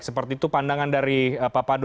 seperti itu pandangan dari pak pandu